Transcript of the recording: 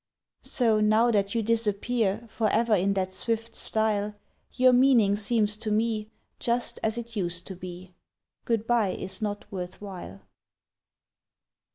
So, now that you disappear For ever in that swift style, Your meaning seems to me Just as it used to be: "Good bye is not worth while!"